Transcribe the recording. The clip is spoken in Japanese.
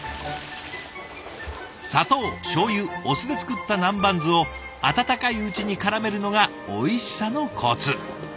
砂糖しょうゆお酢で作った南蛮酢を温かいうちにからめるのがおいしさのコツ！